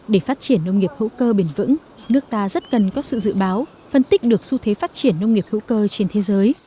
để phát triển nông nghiệp hữu cơ bền vững nước ta rất cần có sự dự báo phân tích được xu thế phát triển nông nghiệp hữu cơ trên thế giới